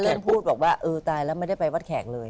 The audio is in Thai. แต่ถ้าเริ่มพูดบอกว่าเออตายแล้วไม่ได้ไปวัดแขกเลย